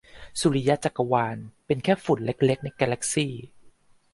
สุริยจักรวาล เป็นแค่ฝุ่นเล็กเล็ก ในกาแลกซี่